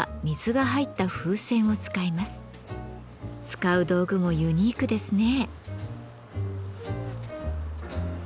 使う道具もユニークですね。